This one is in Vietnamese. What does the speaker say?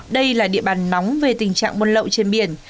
đây là địa bàn nóng về tình trạng buôn lậu trên biển